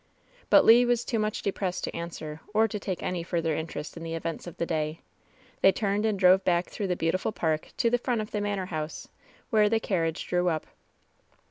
But Le was too much depressed to answer, or to take any further interest m the events of the day. They turned and drove back through the beautiful park to the front of the manor house, where the carriage drew up.